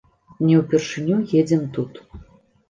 Не ўпершыню едзем тут.